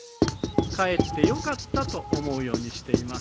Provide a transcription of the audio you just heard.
かえってよかったと思うようにしています。